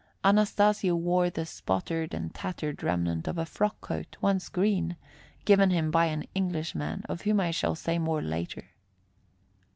Anastasio wore the spotted and tattered remnant of a frock coat, once green, given him by an Englishman, of whom I shall say more later.